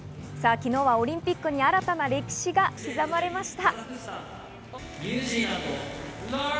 昨日はオリンピックに新たな歴史が刻まれました。